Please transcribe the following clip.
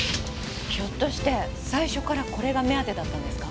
ひょっとして最初からこれが目当てだったんですか？